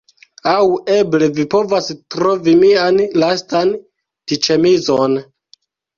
Aŭ eble vi povas trovi mian lastan t-ĉemizon.